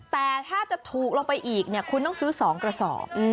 แต่ถ้าจะถูกลงไปอีกเนี่ยคุณต้องซื้อ๒กระสอบ